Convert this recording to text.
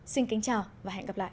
xin kính chào và hẹn gặp lại